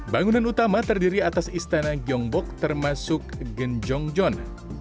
bangunan utama terdiri atas istana gyeongbokgung termasuk genjongjeon